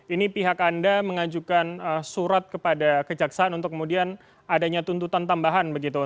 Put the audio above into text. ini pihak anda mengajukan surat kepada kejaksaan untuk kemudian adanya tuntutan tambahan begitu